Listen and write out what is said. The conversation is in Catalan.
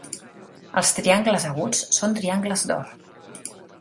Els triangles aguts són triangles d'or.